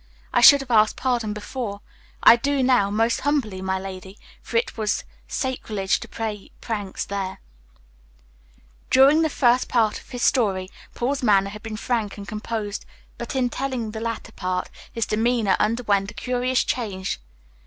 I should have asked pardon before; I do now, most humbly, my lady, for it was sacrilege to play pranks there." During the first part of his story Paul's manner had been frank and composed, but in telling the latter part, his demeanor underwent a curious change.